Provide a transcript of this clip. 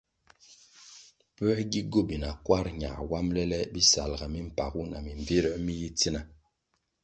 Pue gi gobina kwarʼ na wambʼle le bisalʼga mimpagu na mimbvire mi yi tsina?